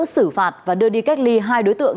xử phạt và đưa đi cách ly hai đối tượng